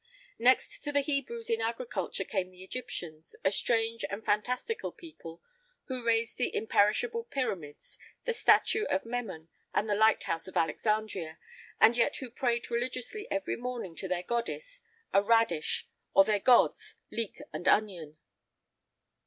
Next to the Hebrews, in agriculture, came the Egyptians, a strange and fantastical people, who raised the imperishable pyramids, the statue of Memnon, and the lighthouse of Alexandria, and who yet prayed religiously every morning to their goddess a radish, or their gods leek and onion.